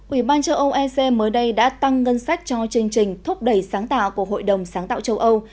ủy ban châu âu ec mới đây đã tăng ngân sách cho chương trình thúc đẩy sáng tạo của hội đồng sáng tạo châu âu